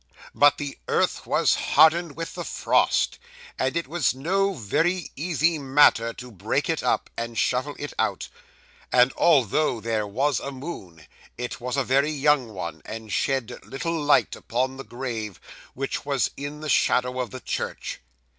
But the earth was hardened with the frost, and it was no very easy matter to break it up, and shovel it out; and although there was a moon, it was a very young one, and shed little light upon the grave, which was in the shadow of the church.